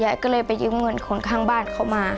ยายก็เลยไปยืมเงินคนข้างบ้านเขามา